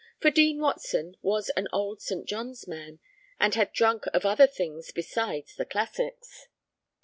For Dean Watson was an old St. John's man, and had drunk of other things besides the classics.